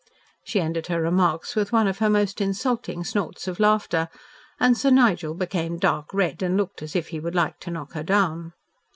She ended her remarks with one of her most insulting snorts of laughter, and Sir Nigel became dark red and looked as if he would like to knock her down.